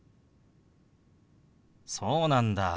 そうなんだ。